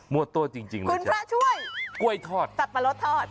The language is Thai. มัวโต้จริงเลยครับสับปะรดทอด